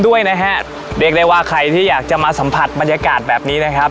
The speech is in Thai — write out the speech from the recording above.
ด้วยนะฮะเรียกได้ว่าใครที่อยากจะมาสัมผัสบรรยากาศแบบนี้นะครับ